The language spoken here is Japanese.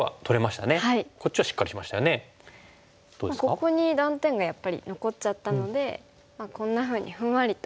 ここに断点がやっぱり残っちゃったのでこんなふうにふんわりと守っておきますか。